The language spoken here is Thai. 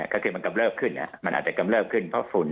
ก็คือมันกำเริบขึ้นมันอาจจะกำเริบขึ้นเพราะฝุ่น